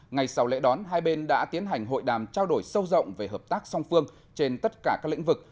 ngày sau lễ đón hai bên đã tiến hành hội đàm trao đổi sâu rộng về hợp tác song phương trên tất cả các lĩnh vực